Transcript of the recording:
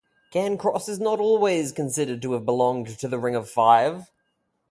Cairncross is not always considered to have belonged to the 'Ring of Five'.